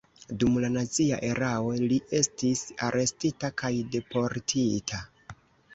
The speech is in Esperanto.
Dum la nazia erao li estis arestita kaj deportita.